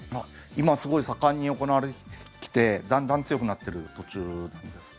今すごい盛んに行われてきてだんだん強くなってる途中ですね。